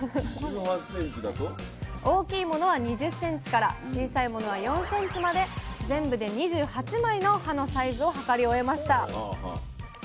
大きいものは２０ｃｍから小さいものは４ｃｍまで全部で２８枚の葉のサイズを測り終えました。